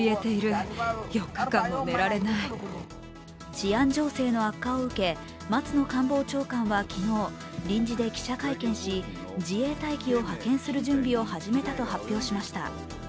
治安情勢の悪化を受け松野官房長官は昨日臨時で記者会見し、自衛隊機を派遣する準備を始めたと発表しました。